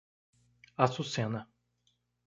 Açucena